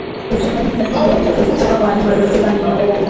Utupwaji sahihi wa uchafu kutoka kwa wanyama waliotupa mimba